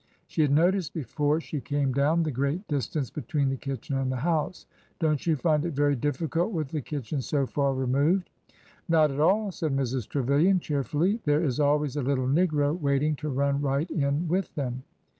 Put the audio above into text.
" She had noticed before she came down the great dis tance between the kitchen and the house. Don't you find it very difficult with the kitchen so far removed ?"'' Not at all," said Mrs. Trevilian, cheerfully. There is always a little negro waiting to run right in with them."